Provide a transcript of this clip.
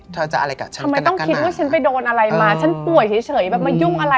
เธอจะอะไรกับฉันก็นักกันหนา